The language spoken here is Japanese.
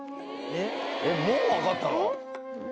もう分かったの？